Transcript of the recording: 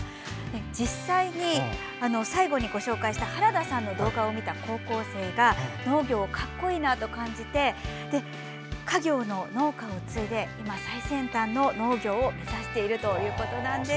実際に、最後にご紹介した原田さんの動画を見た高校生が農業を格好いいと感じて家業の農家を継いで今、最先端の農業を目指しているということなんです。